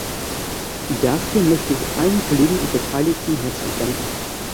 Dafür möchte ich allen Kollegen und Beteiligten herzlich danken.